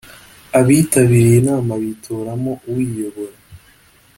abitabiriye inama bitoramo uyiyobora.